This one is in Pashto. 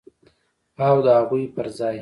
او د هغوی پر ځای